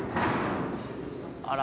あら。